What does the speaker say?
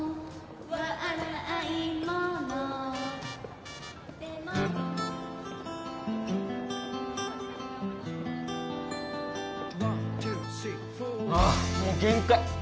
あもう限界！